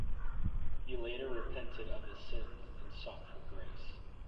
He later repented of his sins and sought for grace.